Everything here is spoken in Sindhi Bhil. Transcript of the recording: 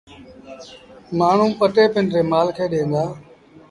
مآڻهوٚݩ پٽي پنڊري مآل کي ڏيݩ دآ۔